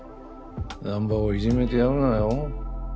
南波をいじめてやるなよ。